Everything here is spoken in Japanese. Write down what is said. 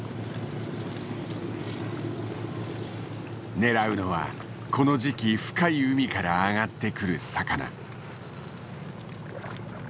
狙うのはこの時期深い海から上がってくる魚。